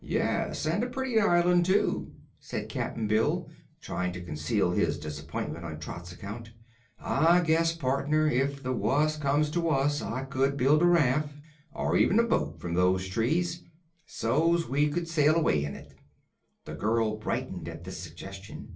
"Yes, and a pretty island, too," said Cap'n Bill, trying to conceal his disappointment on Trot's account. "I guess, partner, if the wuss comes to the wuss, I could build a raft or even a boat from those trees, so's we could sail away in it." The little girl brightened at this suggestion.